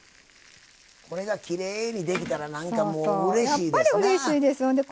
これがきれいにできたら何かもううれしいですなぁ。